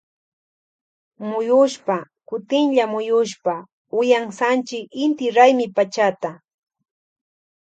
Muyushpa kutinlla muyushpa uyansanchi inti raymi pachata.